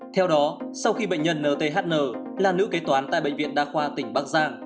theo đó sau khi bệnh nhân nthn là nữ kế toán tại bệnh viện đa khoa tỉnh bắc giang